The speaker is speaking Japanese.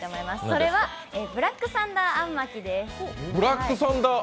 それはブラックサンダーあん巻きです。